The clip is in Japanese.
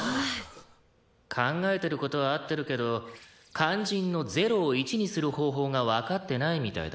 考えてる事は合ってるけど肝心の０を１にする方法がわかってないみたいだなあ。